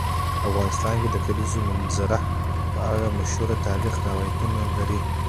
افغانستان د د کلیزو منظره په اړه مشهور تاریخی روایتونه لري.